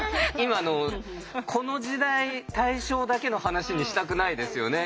この時代大正だけの話にしたくないですよね。